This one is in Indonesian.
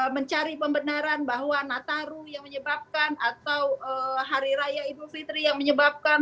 mencari pembenaran bahwa nataru yang menyebabkan atau hari raya idul fitri yang menyebabkan